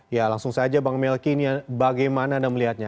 ya langsung saja bang melki bagaimana anda melihatnya